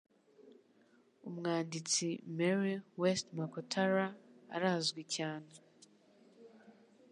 Umwanditsi Mary Westmacottara arazwi cyane